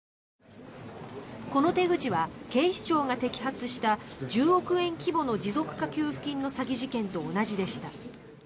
この手口は、警視庁が摘発した１０億円規模の持続化給付金の詐欺事件と同じでした。